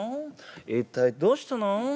一体どうしたの？」。